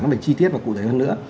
nó phải chi tiết và cụ thể hơn nữa